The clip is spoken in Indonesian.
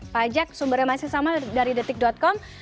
pajak sumbernya masih sama dari detik com